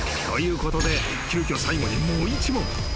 ［ということで急きょ最後にもう１問］